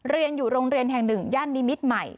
เรียนอยู่โรงเรียนแห่งหนึ่งย่านนิมิตรใหม่